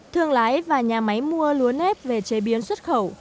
thương lái và nhà máy mua lúa nếp về chế biến xuất khẩu